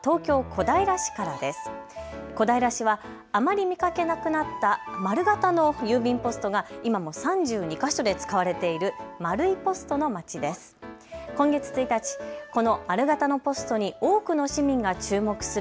小平市はあまり見かけなくなった丸型の郵便ポストが今も３２か所で使われている丸いポストのまちです。